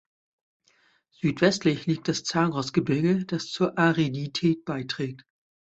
Südwestlich liegt das Zagros-Gebirge, das zur Aridität beiträgt.